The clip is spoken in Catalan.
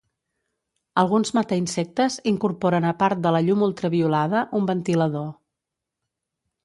Alguns mata-insectes incorporen a part de la llum ultraviolada, un ventilador.